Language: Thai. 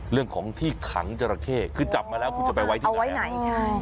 เรื่องของที่ขังจราเข้คือจับมาแล้วคุณจะไปไว้ที่ไหนไว้ไหนใช่